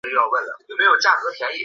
他是黎太宗黎元龙的三子。